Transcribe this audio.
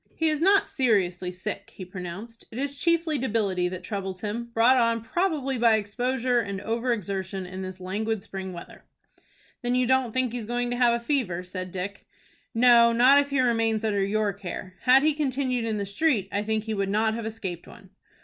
"He is not seriously sick," he pronounced. "It is chiefly debility that troubles him, brought on probably by exposure, and over exertion in this languid spring weather." "Then you don't think he is going to have a fever?" said Dick. "No, not if he remains under your care. Had he continued in the street, I think he would not have escaped one."